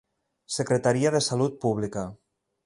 Secretaria de Salut Pública.